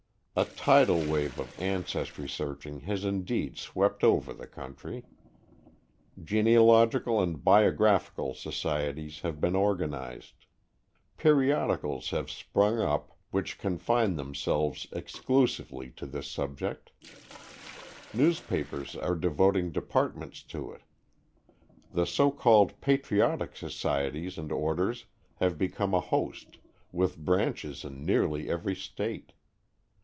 A tidal wave of ancestry searching has indeed swept over the country. Genealogical and biographical societies have been organized. Periodicals have sprung up which confine themselves exclusively to this subject. Newspapers are devoting departments to it. The so called patriotic societies and orders have become a host, with branches in nearly every State.